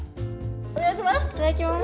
おねがいします！